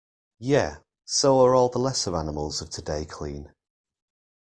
Yea, so are all the lesser animals of today clean.